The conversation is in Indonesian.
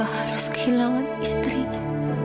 bapak harus kehilangan istrinya